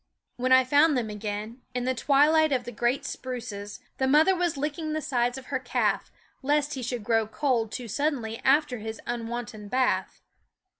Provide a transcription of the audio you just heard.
When I found them again, in the twilight of the great spruces, the mother was licking the sides of her calf, lest he should grow cold too suddenly after his unwonted bath.